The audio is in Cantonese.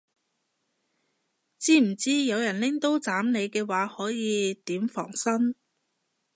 知唔知有人拎刀斬你嘅話可以點防身